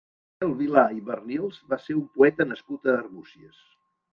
Rafael Vilà i Barnils va ser un poeta nascut a Arbúcies.